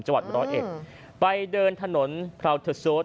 จังหวัด๑๐๑ไปเดินถนนพร้าวเธอโซส